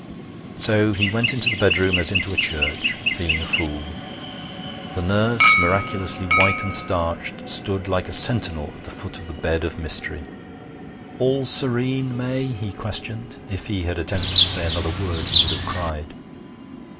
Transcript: So he went into the bedroom as into a church, feeling a fool. The nurse, miraculously white and starched, stood like a sentinel at the foot of the bed of mystery. 'All serene, May?' he questioned. If he had attempted to say another word he would have cried.